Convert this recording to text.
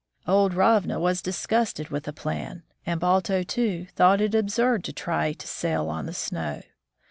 Old Ravna was disgusted with the plan, and Balto, too, thought it absurd to try to sail on the snow.